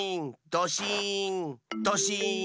ドシーンドシーン！